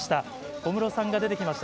小室さんが出てきました。